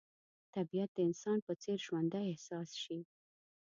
طبیعت د انسان په څېر ژوندی احساس شي.